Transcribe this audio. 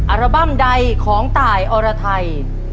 อัลบั้มใดของตายอรไทย